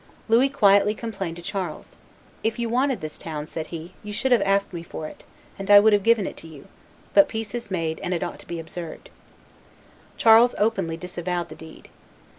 Louis quietly complained to Charles: "If you wanted this town," said he, "you should have asked me for it, and I would have given it to you; but peace is made, and it ought to be observed." Charles openly disavowed the deed.